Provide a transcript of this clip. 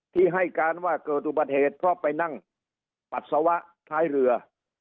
ที่ให้การว่าเกิดอุบัติเหตุเพราะไปนั่งปัสสาวะท้ายเรือ